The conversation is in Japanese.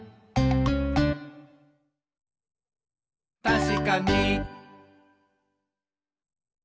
「たしかに！」